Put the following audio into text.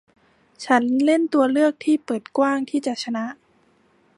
ฉันเล่นตัวเลือกที่เปิดกว้างที่จะชนะ